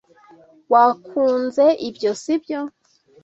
Wakunze ibyo, sibyo?